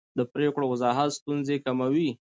د پرېکړو وضاحت ستونزې کموي